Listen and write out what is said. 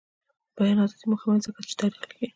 د بیان ازادي مهمه ده ځکه چې تاریخ لیکي.